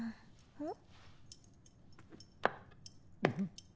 うん！